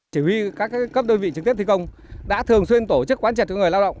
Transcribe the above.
chỉ huy các cấp đơn vị trực tiếp thi công đã thường xuyên tổ chức quan trọng cho người lao động